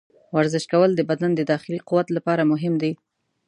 ورزش کول د بدن د داخلي قوت لپاره مهم دي.